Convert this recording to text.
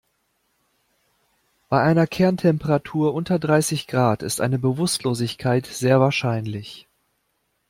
Bei einer Kerntemperatur unter dreißig Grad ist eine Bewusstlosigkeit sehr wahrscheinlich.